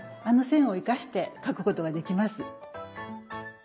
あの線を生かして描くことができます。